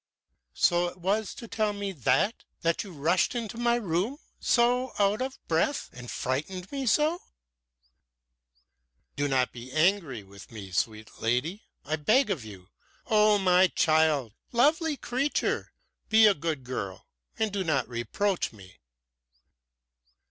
"So it was to tell me that that you rushed into my room so out of breath and frightened me so?" "Do not be angry with me, sweet lady, I beg of you! Oh, my child! Lovely creature! Be a good girl and do not reproach me!"